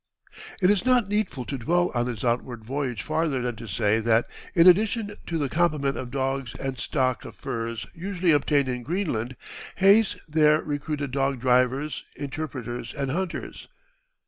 It is not needful to dwell on his outward voyage farther than to say that, in addition to the complement of dogs and stock of furs usually obtained in Greenland, Hayes there recruited dog drivers, interpreters, and hunters.